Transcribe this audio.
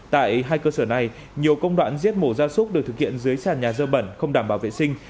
tại hai cơ sở này nhiều công đoạn giết mổ ra súc được thực hiện dưới sàn nhà dơ bẩn không đảm bảo vệ sinh